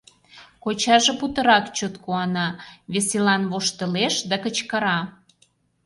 Кочаже путырак чот куана, веселан воштылеш да кычкыра: